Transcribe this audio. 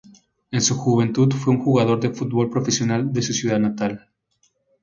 En su juventud fue un jugador de fútbol profesional de su ciudad natal.